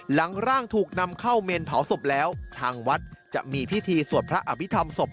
หลังร่างถูกนำเข้าเมนเผาศพแล้วทางวัดจะมีพิธีสวดพระอภิษฐรรมศพ